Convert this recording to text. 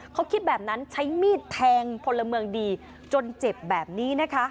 เขาคิดแบบนั้นใช้มีดแทงพลเมืองดีจนเจ็บแบบนี้นะคะ